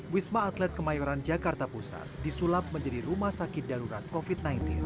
wisma atlet kemayoran jakarta pusat disulap menjadi rumah sakit darurat covid sembilan belas